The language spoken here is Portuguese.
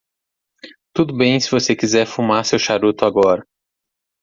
Tudo bem se você quiser fumar seu charuto agora.